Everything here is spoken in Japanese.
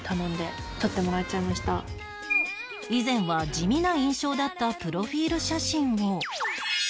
以前は地味な印象だったプロフィール写真を